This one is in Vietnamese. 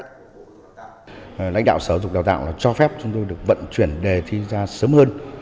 tuy nhiên lãnh đạo sở dục đào tạo cho phép chúng tôi vận chuyển đề thi ra sớm hơn